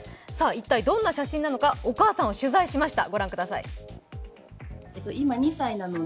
一体どんな写真なのかお母さんを取材しました。